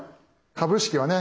株式はね